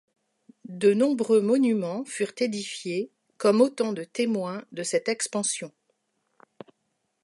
De nombreux monuments furent édifiés comme autant de témoins de cette expansion.